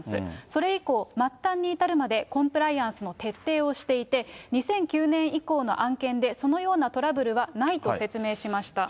それ以降、末端に至るまでコンプライアンスの徹底をしていて、２００９年以降の案件でそのようなトラブルはないと説明しました。